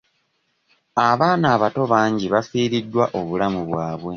Abaana abato bangi bafiiriddwa obulamu bwabwe.